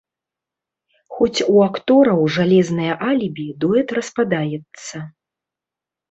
Хоць у актораў жалезнае алібі, дуэт распадаецца.